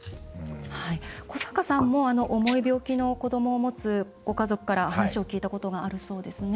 古坂さんも、重い病気の子どもを持つご家族から話を聞いたことがあるそうですね。